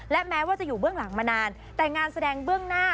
และแม้ว่าจะอยู่เบื้องหลังมานานแต่งานแสดงเบื้องหน้า